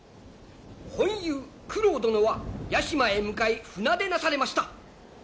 本夕九郎殿は屋島へ向かい船出なされました。